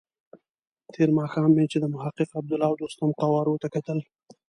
تېر ماښام مې چې د محقق، عبدالله او دوستم قوارو ته کتل.